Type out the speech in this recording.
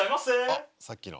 あっさっきの！